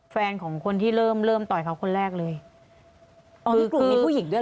แฟนของคนที่เริ่มเริ่มต่อยเขาคนแรกเลยอ๋อมีกลุ่มมีผู้หญิงด้วยเห